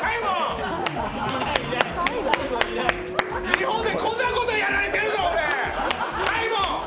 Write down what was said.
日本でこんなことやられてるぞ、サイモン。